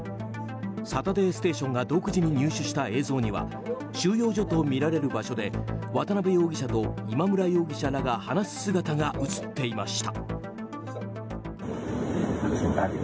「サタデーステーション」が独自に入手した映像には収容所とみられる場所で渡邉容疑者と今村容疑者らが話す姿が映っていました。